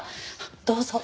どうぞ。